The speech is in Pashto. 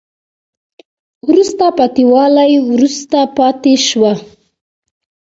وروسته پاتې والی وروسته پاتې شوه